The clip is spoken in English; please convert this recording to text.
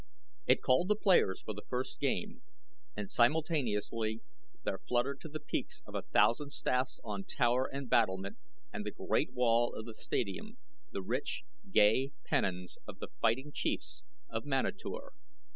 It called the players for the first game, and simultaneously there fluttered to the peaks of a thousand staffs on tower and battlement and the great wall of the stadium the rich, gay pennons of the fighting chiefs of Manator.